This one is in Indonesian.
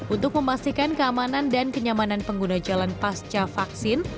untuk memastikan keamanan dan kenyamanan pengguna jalan pasca vaksin